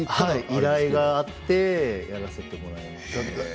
依頼があってやらせてもらいました。